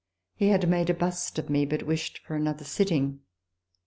He had made a bust of me, but wished for another sitting.